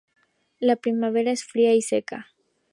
La primavera es fría y seca.